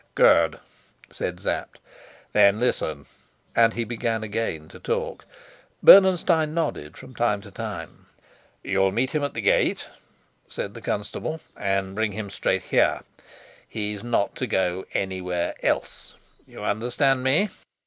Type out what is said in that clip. "Good," said Sapt. "Then listen," and he began again to talk. Bernenstein nodded from time to time. "You'll meet him at the gate," said the constable, "and bring him straight here. He's not to go anywhere else, you understand me?"